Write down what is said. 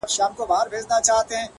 • مندوشاه چي هم هوښیار هم پهلوان وو,